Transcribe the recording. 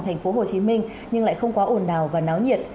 thành phố hồ chí minh nhưng lại không quá ổn nào và náo nhiệt